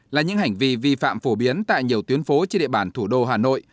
là những hành vi vi phạm phổ biến tại nhiều tuyến phố trên địa bàn thủ đô hà nội